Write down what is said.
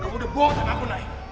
kamu udah bohong tanganku nay